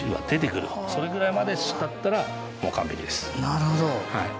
なるほど。